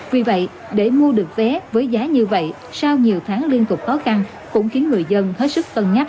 vì vậy để mua được vé với giá như vậy sau nhiều tháng liên tục khó khăn cũng khiến người dân hết sức cân nhắc